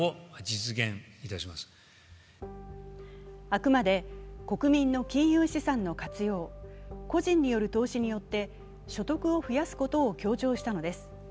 あくまで国民の金融資産の活用、個人による投資によって所得を増やすことを強調したのです。